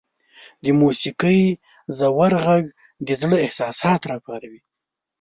• د موسیقۍ ژور ږغ د زړه احساسات راپاروي.